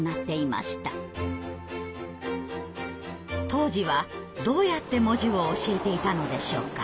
当時はどうやって文字を教えていたのでしょうか？